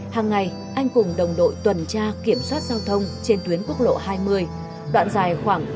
hàng ngày anh cùng đồng đội tuần tra kiểm soát giao thông trên tuyến quốc lộ hai mươi đoạn dài khoảng bốn mươi km